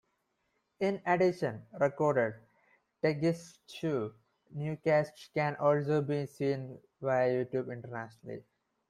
In addition, recorded "Tagesschau" newscasts can also be seen via YouTube internationally.